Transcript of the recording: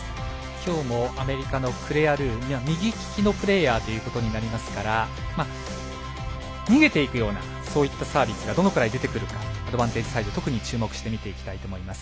きょうもアメリカのクレア・ルーは右利きのプレーヤーとなりますから逃げていくようなそういったサービスがどのくらい出てくるかアドバンテージサイド特に注目して見ていきたいと思います。